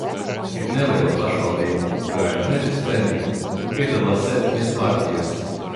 Ir neliela pašvaldība, kurā ir četri stendi, un piedalās septiņas partijas.